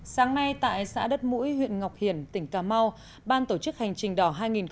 sáng nay tại xã đất mũi huyện ngọc hiển tỉnh cà mau ban tổ chức hành trình đỏ hai nghìn một mươi chín